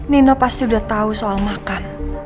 nino pasti udah tahu soal makan